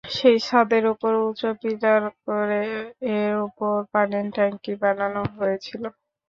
সেই ছাদের ওপর উঁচু পিলার করে এর ওপর পানির ট্যাংক বানানো হয়েছিল।